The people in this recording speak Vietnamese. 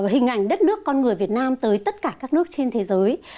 hình ảnh đất nước con người việt nam tới tất cả các nước trên thế giới